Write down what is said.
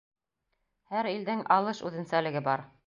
Һәр илдең алыш үҙенсәлеге бар.